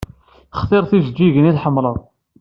Xtir tijeǧǧigin i tḥemmleḍ.